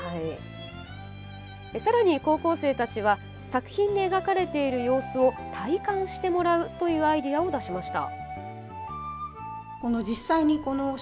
さらに、高校生たちは作品に描かれている様子を体感してもらうというアイデアを出しました。